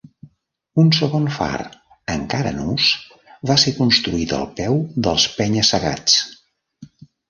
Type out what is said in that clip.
Un segon far, encara en ús, va ser construït al peu dels penya-segats.